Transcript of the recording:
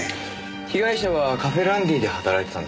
被害者はカフェＲＡＮＤＹで働いてたんですね。